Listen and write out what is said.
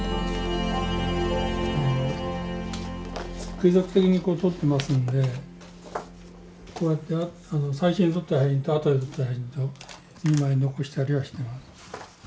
継続的にこう撮ってますんでこうやって最初に撮った写真と後で撮った写真と２枚残したりはしてます。